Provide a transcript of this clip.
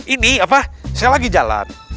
ini apa saya lagi jalan